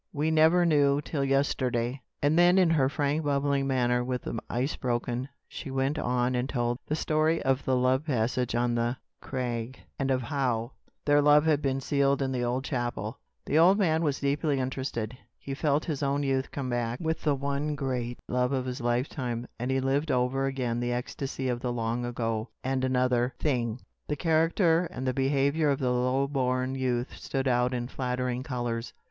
We never knew till yesterday." And then, in her frank bubbling manner, with the ice thus broken, she went on and told the story of the love passage on the crag; and of how their love had been sealed in the old chapel. The old man was deeply interested. He felt his own youth come back, with the one great love of his lifetime; and he lived over again the ecstasy of the long ago. And another thing the character and the behavior of the low born youth stood out in flattering colors.